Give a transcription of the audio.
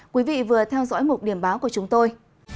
quý vị vừa theo dõi một điểm báo của chúng tôi